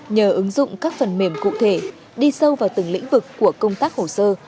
nhờ ứng dụng các phần mềm cụ thể đi sâu vào từng lĩnh vực của công tác hồ sơ